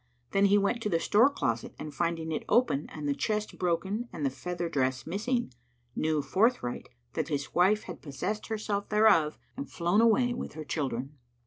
Then he went to the store closet and finding it open and the chest broken and the feather dress missing, knew forthright that his wife had possessed herself thereof and flown away with her children.